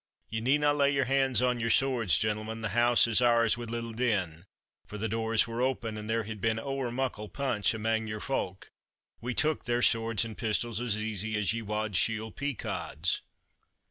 Ye needna lay your hands on your swords, gentlemen, the house is ours wi' little din; for the doors were open, and there had been ower muckle punch amang your folk; we took their swords and pistols as easily as ye wad shiel pea cods."